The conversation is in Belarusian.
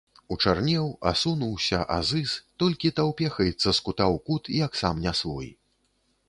Учарнеў, асунуўся, азыз, толькі таўпехаецца з кута ў кут, як сам не свой.